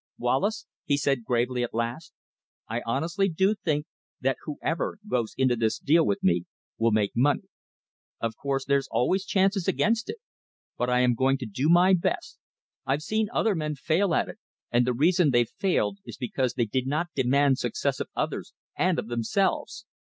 "Wallace," he said gravely at last, "I honestly do think that whoever goes into this deal with me will make money. Of course there's always chances against it. But I am going to do my best. I've seen other men fail at it, and the reason they've failed is because they did not demand success of others and of themselves.